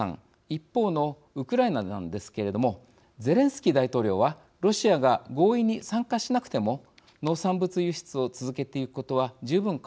一方のウクライナなんですけれどもゼレンスキー大統領はロシアが合意に参加しなくても農産物輸出を続けてゆくことは十分可能だと発言してますね。